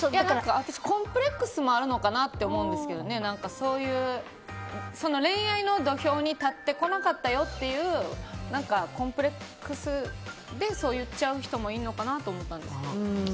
私、コンプレックスもあるのかなと思うんですけどそういう恋愛の土俵に立ってこなかったよっていうコンプレックスでそう言っちゃう人もいるのかなと思ったんですけど。